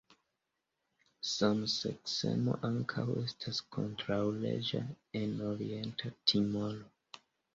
Samseksemo ankaŭ estas kontraŭleĝa en Orienta Timoro.